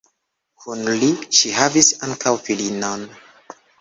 Kun li ŝi havis ankaŭ filinon.